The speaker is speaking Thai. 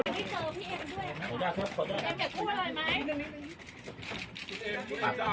มีบทที่เอ็มด้วยค่ะ